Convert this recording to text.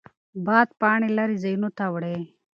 باد پاڼې لرې ځایونو ته وړي.